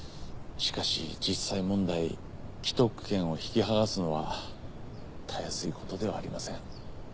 しかし実際問題既得権を引きはがすのはたやすいことではありません。